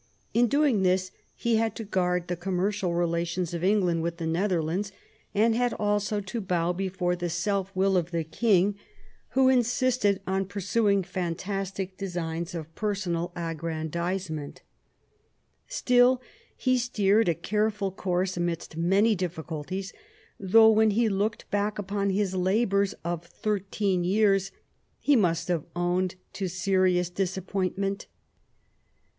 In doing this he had to guard the commercial relations of England with the Netherlands, and had also to bow before the selfwill of the king, who insisted on pursuing fantastic designs of personal aggrandise ment Still he steered a careful course amidst many difficulties, though when he looked back upon his labours of thirteen years he must have owned to serious disappointment.